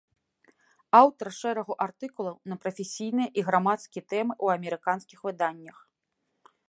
Аўтар шэрагу артыкулаў на прафесійныя і грамадскія тэмы ў амерыканскіх выданнях.